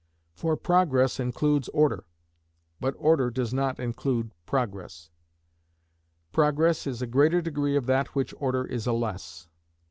For Progress includes Order, but Order does not include Progress. Progress is a greater degree of that of which Order is a less.